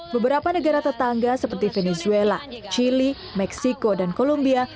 beberapa negara tetangga seperti venezuela chile meksiko dan columbia